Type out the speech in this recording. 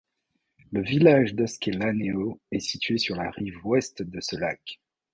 Le village d'Oskélanéo est situé sur la rive Ouest de ce lac.